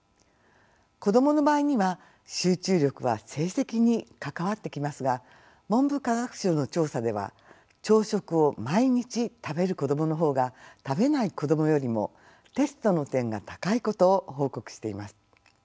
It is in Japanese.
子供の場合には集中力は成績に関わってきますが文部科学省の調査では朝食を毎日食べる子供のほうが食べない子供よりもテストの点が高いことを報告しています。